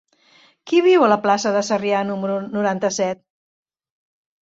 Qui viu a la plaça de Sarrià número noranta-set?